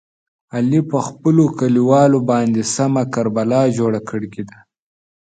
علي په خپلو کلیوالو باندې سمه کربلا جوړه کړې ده.